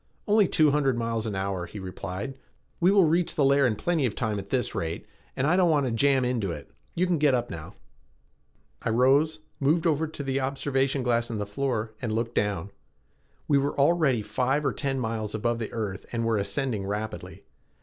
"Only two hundred miles an hour," he replied. "We will reach the layer in plenty of time at this rate and I don't want to jam into it. You can get up now." I rose, moved over to the observation glass in the floor, and looked down. We were already five or ten miles above the earth and were ascending rapidly.